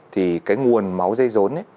thì cái nguồn máu dây dốn ấy